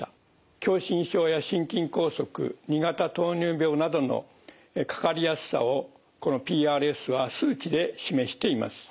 狭心症や心筋梗塞２型糖尿病などのかかりやすさをこのＰＲＳは数値で示しています。